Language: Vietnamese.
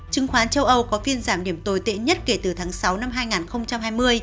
chứng khoán châu âu có phiên giảm điểm tồi tệ nhất kể từ tháng sáu năm hai nghìn hai mươi